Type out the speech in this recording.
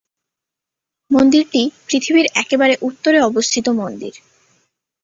মন্দিরটি পৃথিবীর একেবারে উত্তরে অবস্থিত মন্দির।